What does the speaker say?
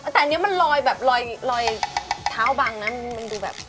แต่อันนี้มันลอยแบบลอยเท้าบังนะมันดูแบบ